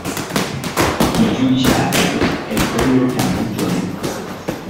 Il giudice arbitro è quello che ha “maggiore” importanza